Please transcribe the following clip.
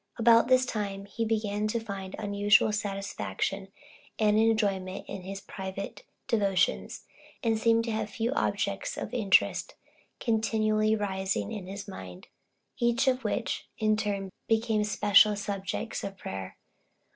About this time he began to find unusual satisfaction and enjoyment in his private devotions; and seemed to have few objects of interest continually rising in his mind each of which in turn became special subjects of prayer.